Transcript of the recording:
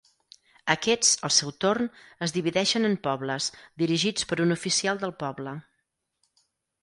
Aquests, al seu torn, es divideixen en pobles, dirigits per un oficial del poble.